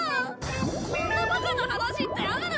こんなバカな話ってある？